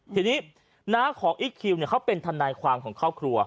ทีนี้น้าของอิ๊กคิวเขาเป็นทนายความของครอบครัว